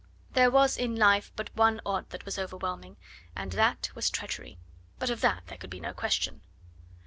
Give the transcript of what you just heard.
There was in life but one odd that was overwhelming, and that was treachery. But of that there could be no question.